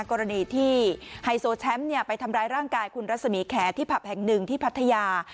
กรณีที่ไฮโซแชมป์ไปทำร้ายร่างกายคุณรัศมีแขที่ผับแห่งหนึ่งที่พัทยา